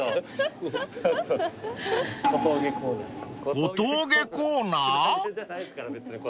［小峠コーナー？］